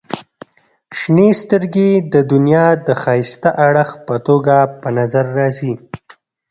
• شنې سترګې د دنیا د ښایسته اړخ په توګه په نظر راځي.